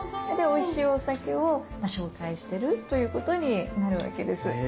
おいしいお酒を紹介してるということになるわけです。